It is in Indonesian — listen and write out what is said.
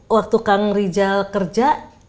waktu kang rijal kerja